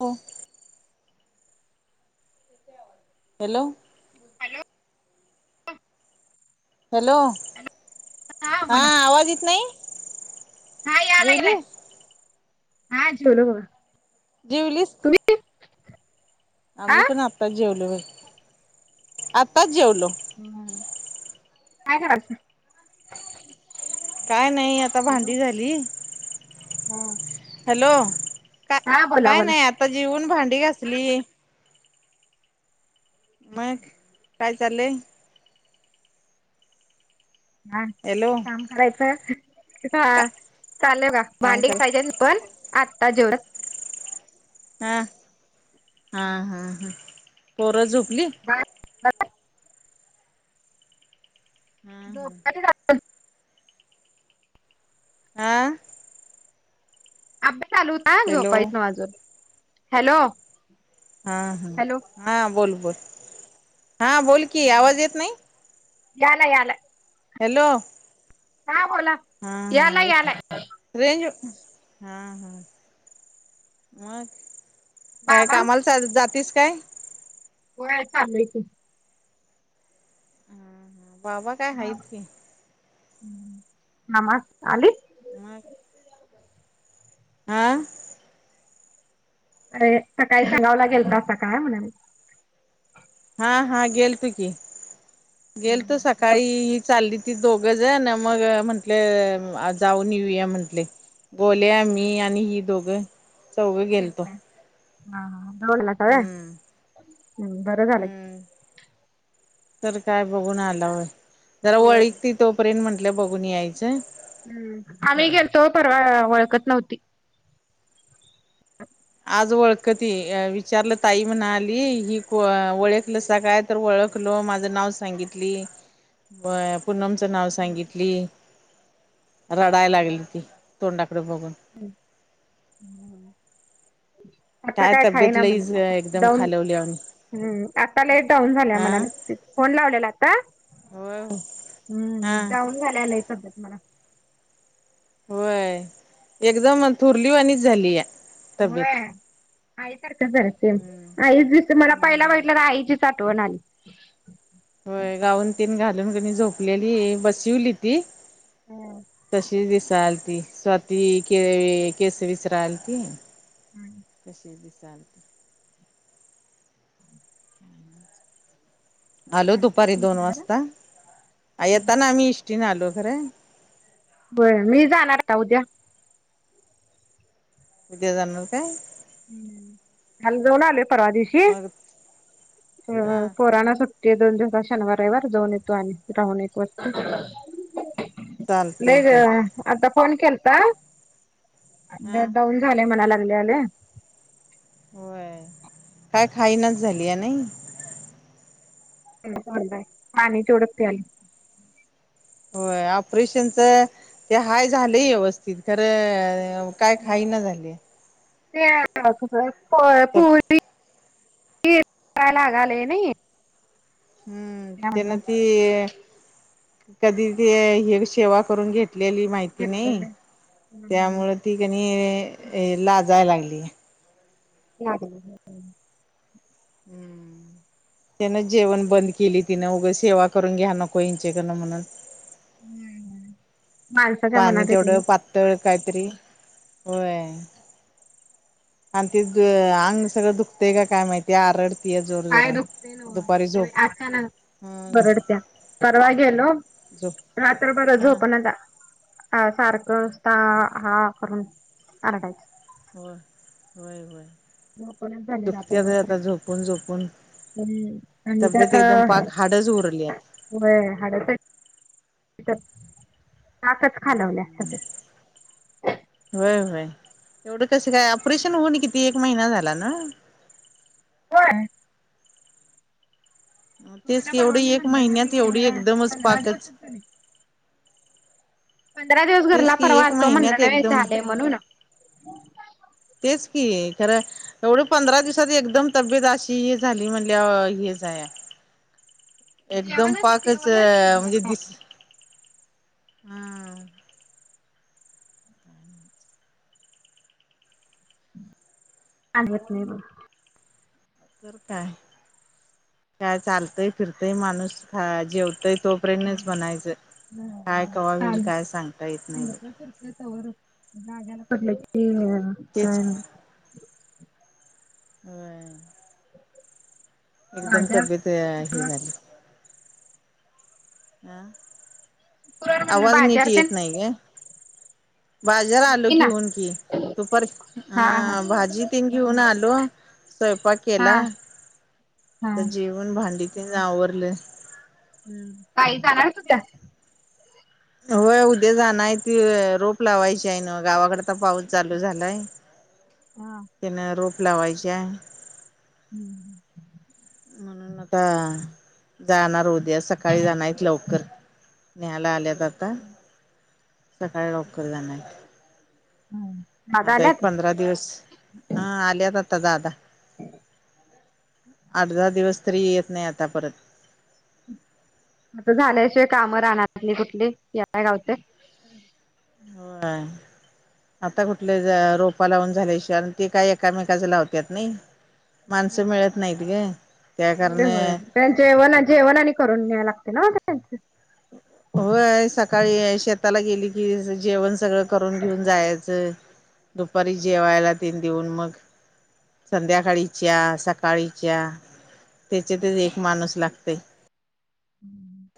हो. Hello. Hello. Hello hello हा बोला आवाज येत नाही हा यायला गेलाय जेवली? हा जेवलो बघा. जेवलीस? तुम्ही आ आम्ही पण आत्ताच जेवलो बाई आत्ताच जेवलो. हम्म काय कराचं काय नाही आता हॅलो भांडी झाली. हा हॅलो! का हा बोला काय बोला. नाही आता जेऊन भांडी घासली. मग काय चाललंय? हा [unintelligible] हॅलो! काम करायचं का हा चालेल का काम भांडी कर घासायची पण आत्ता जेवल [unintelligible] ह हा हा पोर झोपली बर [unintelligible] हा हा झोपाची झाली आ.... अभ्यास चालू होत हा हॅलो झोपायच माझं हॅलो हा हा हॅलो हा बोल बोल हा बोल की आवाज येत नाही. याल याल हॅलो..... का बोला हा याला हा ये याला रेंज हा हा मग काय बाबा कामाला चल जातीस काय होय चाललोय की वावा काय हाईट की नमास आली मग... आ... अरे सकाळी शेळगावला गेलात काय म्हणालेव हा हा गेलतो की गेलतो म्हणाले सकाळी चालली ती दोघ जण न मग म्हंटल आज जाऊन येऊया म्हंटले बोल्या मी आणि ही दोघं चौघं गेलतो गेलता हा हा दडलासा हम्म होय बरं झालं हम्म तर काय बघून आलाव जरा वळीकती तोपर्यंत म्हंटलं बघून यायचं. ह आम्ही गेलतो परवा ओळखत नव्हती. आज ओळखती विचारलं ताई म्हणाली ही को ओळखलंसा काय तर ओळखलो माझं नाव सांगितली [inaudible] होय पुनम च नाव सांगितली रडाय लागली ती तोंडाकड बघून ह..... आता काय तब्येत खायना म्हण लईच एकदम दम खालवली आम्ही हम आता लईच डाऊन झाले हा म्हणाल्यात फोन लावलेला आता होय हम हा डाऊन झाले तब्येत मला होय एकदम थोरलीवानीच झाली. होय तब्येत आईसारखं झालं सेम हम्म आईचदिस मला पहिला हम्म बघितल्यावर आईची साठवण आली होय गाऊन तीन घालून झोपलेली बाशिवली ती होय तशी ती दिसायला ती स्वाती के केस विचारायलती कशी दिसाल ते. आलो दुपारी दोन वाजता येताना आम्ही एसटीने आलो खरं होय मी जाणार का उद्या उद्या जाणार काय आम्ही जाऊन आलोय परवा दिवशी मग ह हा ह पोरांना सुट्टी ते दोन झंपर शनिवार रविवार जाऊन येतो आणि राहून येतो चालतय लेग की. आता फोन केलता... हा त्याने मना लागल्यान होय काय खाईनाच झालीया नाही? पाणि तेवढा प्यायली [unintelligible] होय ऑपरेशनचा ते हाय झालय व्यवस्थित खरं काय खाईना झालीये. त्या तो पोरी [unintelligible] ती रयलागाले नाही [unintelligible] हम्म त्यांना त्यामुळं ती [unintelligible] ते कधी ते हे सेवा करून घेतलेली माहिती नाही. घेतलेले हम्म त्यामुळे [unintelligible] ती कनी हे लाजायला लागली. नाही. हो [unintelligible] हम्म त्याने जेवण बंद केली तिने उगाच सेवा करून घ्या ना कोईंच चेक करना मना [unintelligible] हम्म. माणसाच्या पाणी मनात येतंय तेवढे नाही पातळ काहीतरी होय. आणि तेच अंग सगळं दुखतेय काय माहितीय आरड काय दुखते ना होय अचानक हं बरडत्या परवा गेलो [unintelligible] झोप रात्रभर हा झोपना [unintelligible] आता आज सारखं [unintelligible] हा करून आरडायच. हो होय होय झोपणच झाली दुखत्या रात्रभर बाई तर आता झोपून झोपून. हम्म आणि तब्येत त्यात एकदम पाक हाडच उरलीयात. होय हाडाच हायत. हम् [unintelligible] व्हय व्हय एवढं कस काय ऑपरेशन होऊन किती एक महिना झाला ना? होय? तेच तुम्हाला की परवा एवढी मी एक म्हंतलं महिन्यात एवढी नाय एकदमच पंधरा पाकच दिवसच झाले [unintelligible] पंधरा दिवस तेच घरला की परवा एक आलतो म्हणलं महिन्यात नाय एकदम झालंय म्हणून. तेच की खरं एवढी पंधरा दिवसात एकदम तब्येत अशी हे झाली म्हणल्या वर हेच आहे. हं [unintelligible] एकदम पाकच म्हणजे दिस हा आग होत नाही बघ [unintelligible] तर काय काय चालतंय फिरतंय माणूस ख जेवतय तो तोपर्यंत म्हणायचं काय कवा होईल काय सांगता येत नाही. ते तवर जाग्याला पडलकी तेच काय नाय [unintelligible] होय. एकदम बाजार तब्येत हे झाली. अं कुरड म्हणलं आवाज नीट बाजार तेन येत नाहीये. बाजर आलो येती ना घेऊन की. दुपारी हा हा अं भाजी तेन घेऊन आलो स्वयंपाक केला. हा हा आता जेवण भांडी तेन आवरल. हम्म काही जाणार तुझ्या [unintelligible] होय उद्या जाणार ते रोप लावायचीय नवं गावाकड. आता पाऊस चालू झालाय, हा त्यानं रोप लावायची हाय. हम्म. म्हणून आता जाणार उद्या सकाळी जाणार आहेत लवकर. न्यायला आल्यात आता, सकाळी लवकर जाणार. दादा आता एक आल्यात? पंधरा दिवस हा आल्यात आता दादा. आठ दहा दिवस तरी येत नाही आता परत. आता झाल्याशिवाय कामं रानातली कुठली, याय काय घावतय? होय. आता कुठले रोपा लावून झाल्याशिवाय आणि ते काही एकमेकाचे लावत्यात नाही. माणसं मिळत नाहीत गं. होय होय, ते जेवण जेवण आणि करून घ्याय लागतंय नव्हं गं त्यांचं? होय सकाळी हाय शेताला गेली की यांचं जेवण सगळं करून घेऊन जायाचं, दुपारी जेवायला ते देऊन मग. संध्याकाळी च्या सकाळी च्या त्याच्यातेच एक माणूस लागतंय. हम्म.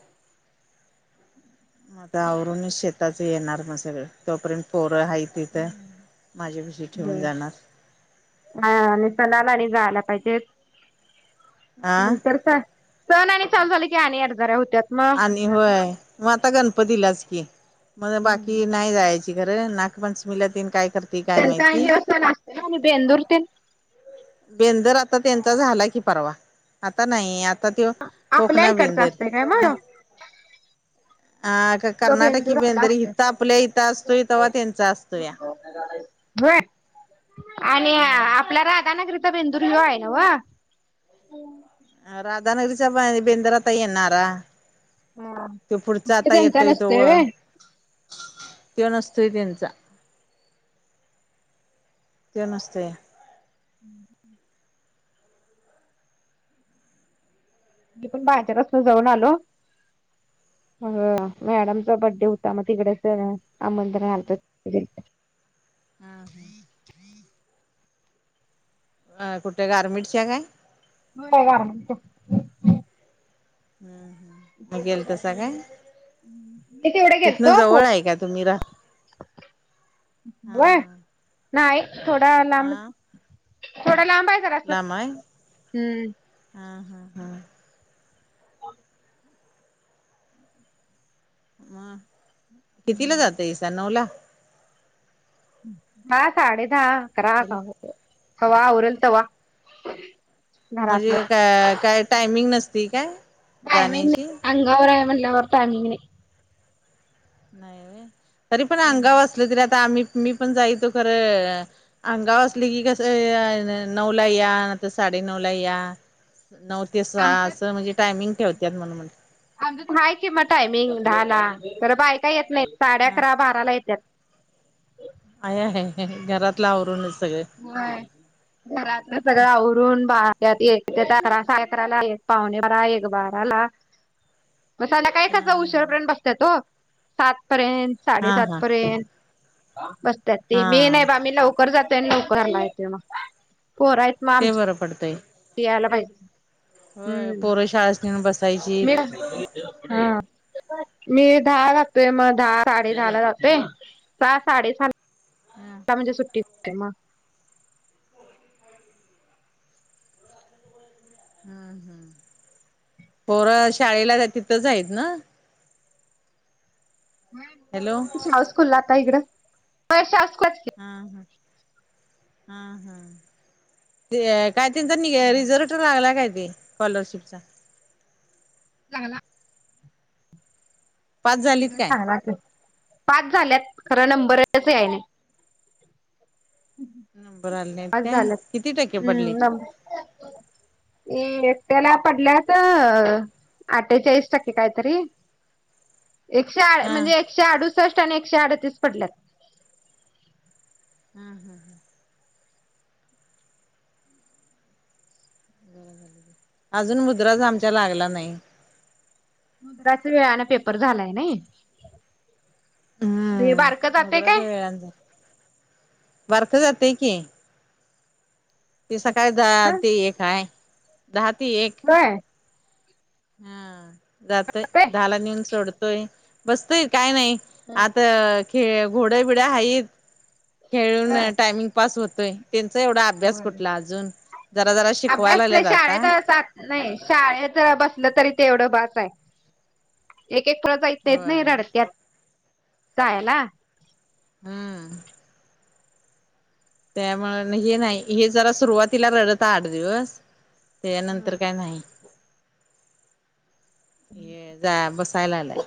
म आता आवरूनच शेताचं येणार मग सगळं, तोपर्यंत पोरं हायत तिथं माझ्यापशी ते. ठेऊन जाणार. हा आणि सणाला आणि जायला पाहिजेत. आ नंतर काय सण आणि चालू झाले की आणि येरझाऱ्या होत्यात मग. आणि होय मग आता गणपतीलाच की, म आता बाकी नाही जायची. ते खरं नागपंचमीला तेन काय कर त्यांच हे सण असतं ना, बेंदूर तेन? बेंदूर आता त्यांचा झाला की परवा, आता नाही आ आता त्यो आपल्या कोकणा इकडचा बेंदूर, असतय काय मग हा. ह्यो तो कर्नाटकी बेंदूर आपला बेंदरी असतोय. इथं आपल्या इथं असतोय, तवा त्यांचा असतूया. व्हय आणि हम्म आपल्या राधानगरी चा बेंदूर ह्यो हाय नव्हं? अं राधानगरीच्या बेंदर आता येणारा. हा त्यो पुढचा ते आता त्यांचा येतोय तो व. नसतोय व्हय मी त्यो नसतोय त्यांचा. त्यो नसतोय. [unintelligible] मी पण [unintelligible] पासून जाऊन आलो. अ मॅडमचा बड्डे होता, मग तिकडेच आमंत्रण आलतं म्हणजे हां. अ कुठं गारमेंटच्या काय? होय गारमेंटच्या. हं मग गेलतंस काय? मी तेवढे गेलतो तिथनं [unintelligible] जवळ आहे का तुम्ही रा हा होय हा नाही थोडा लांब, हा थोडा लांब हाय. लांब हाय? हां हां हां. मग कितीला जातंय [unintelligible] नऊला. दहा साडे दहा अकरा हॅलो कवा हुतंय, कवा आवरल तवा. म्हणजे घरातलं काय काय टायमिंग नसतंय काय? टयमिंग जाण्याची नई, अंगावर हाय म्हणल्यावर टाइमिंग नाही. नाही. तरी पण नाही अंगाव असल तरी आता आम्ही मी पण जाय तो खरं. अंगाव असली की कसं या न तर नऊला या नाहीतर साडे नऊला या. नऊ ते सहा आमचं असं. म्हणजे टायमिंग ठेवतात म्हणून म आमच्यात आहे की मंग टायमिंग दहा ला. तर बायका येत नाही साडे हा अकरा बाराला येतात. आहेय आहे घरातला आवरूनच सगळे. व्हय. घरात सगळं आवरून बाहेत एक अकरा अकराला कपडे उचल ब एक बार. झाला मग संध्याकाळी कसं उशिरा पर्यंत हा बसत्यात ओ सात पर्यंत. हा साडेसात हा पर्यंत बसत्यात ते मी हा नाही बा आम्ही लवकर जात त्यांनी नवकारला येतात मंग. पोरं आहेत मग ते आमची बरं पडतंय. यायला पाहिजे. होय हम्म पोरं शाळाच नेऊन बसायची मी हा. मी दहा जातोय मग द साडे दहा ला जातोय सहा साडे हम्म. म्हणजे सुट्टीत म हम् हम् पोर शाळेला तिथंच आहेत ना? हॅलो. शा स्कूल ला आता इकडं वा स्कुल. हा हा ह ह ते कायतीन तर रिझर्ट लागला काय ते स्कॉलरशिपचा? लागला. पास झालीत काय सांगला पास झाल्यात खरं नंबरच असे येईल. नंबर आले नाहीत आज काय किती टक्के पडलेत? हो. एकट्याला पडल्यात आठेचाळीस टक्के काहीतरी. एकशे हा म्हणजे एकशे अडुसष्ट आणि एकशे अडतीस पडल्यात. हम हम ह. अजून मुद्राच आमच्या लागला नाही. मुद्राच वेळाने पेपर झालाय नाही. हे बारकं हम्म जाते काय मुद्रांचा वेळाने झालाय. बारकं जातंय की. ते सकाळी दहा ते एक आहे दहा ते एक. व्हय? हा जातोय दहाला नेऊन सोडतोय बसतोय काय नाही. आता खेळ घोड्या बिड्या हायत खेळून टायमिंग पास होतोय. त्यांचा एवढा अभ्यास ह कुठला अजून. जरा जरा अभ्यास शिकवायला नाही लागलेत शाळेत आता. सात नाही शाळेत बसलं तरी ते एवढं बास आहे. एक एक पोरं जात नाहीत होय नाही रडत्यात जायला. हम्म. त्यामुळे हे नाही. हे जरा सुरुवातीला रडत आठ दिवस. त्यानंतर काय नाही. हे जा बसायला आलाय.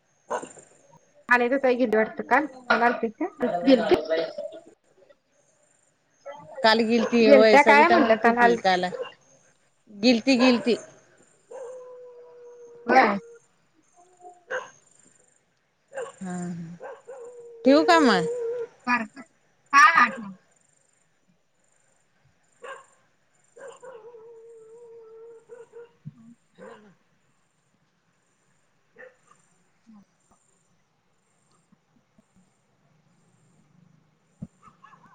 [unintelligible] चालेल ताई गेली वाटतं हा काल. [unintelligible] काल गिलती होय गेलत्या काय सविता म्हटलं म्हणती कि आल काल गिलती गिलती. हा. हम ह ठेऊ का म? बारकं, हा आठ नऊ. [inaudible] ह ना.